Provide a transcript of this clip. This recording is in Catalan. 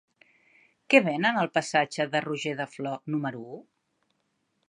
Què venen al passatge de Roger de Flor número u?